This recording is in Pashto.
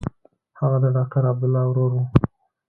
هغه د ډاکټر عبدالله ورور و.